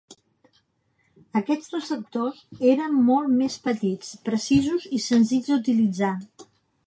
Aquests receptors eren molt més petits, precisos i senzills d'utilitzar.